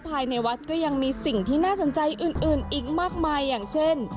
ภายในวัดก็ยังมีสิ่งที่น่าสนใจอื่นอีกมากมายอย่างเช่น